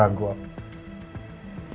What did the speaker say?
yang membuat saya semakin ragu